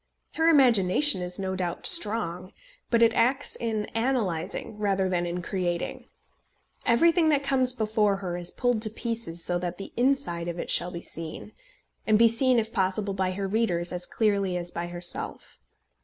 Her imagination is no doubt strong, but it acts in analysing rather than in creating. Everything that comes before her is pulled to pieces so that the inside of it shall be seen, and be seen if possible by her readers as clearly as by herself.